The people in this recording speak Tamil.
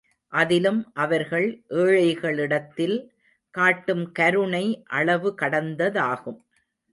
அதிலும் அவர்கள் ஏழைகளிடத்தில் காட்டும் கருணை அளவு கடந்ததாகும்.